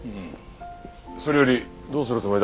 それよりどうするつもりだ？